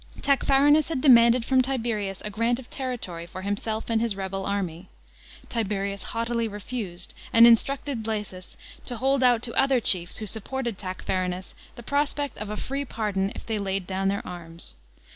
Tacfarinas had demanded from Tiberius a grant of territory for hiim>elf and his rebel army. Tiberius haughtily refused and instructed Bla3sus to hold out to the other chiefs, who supported Tacfarinas, the prospect of a free 17 24 A.D. MUSULAMIAN WAR. 183 pardon if they laid down their arms.